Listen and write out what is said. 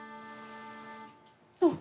あっ！